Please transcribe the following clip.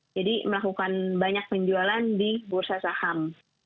jadi melakukan banyak penjualan di bursa saham